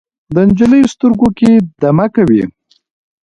د نجلۍ سترګو کې دمه کوي